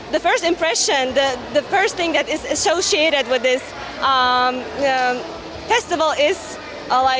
pertarian pertama yang terkait dengan festival ini